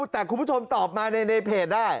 แต่คุณผู้ชมตอบมาในเพจได้